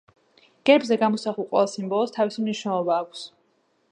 გერბზე გამოსახულ ყველა სიმბოლოს თავისი მნიშვნელობა აქვს.